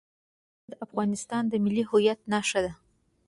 هوا د افغانستان د ملي هویت نښه ده.